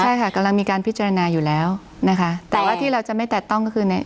ใช่ค่ะกำลังมีการพิจารณาอยู่แล้วนะคะแต่ว่าที่เราจะไม่แตะต้องก็คือใน